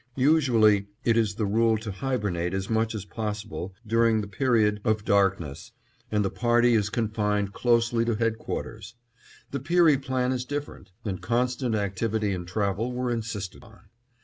Usually it is the rule to hibernate as much as possible during the period of darkness, and the party is confined closely to headquarters. The Peary plan is different; and constant activity and travel were insisted on.